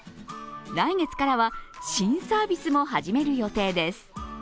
来月からは新サービスも始める予定です。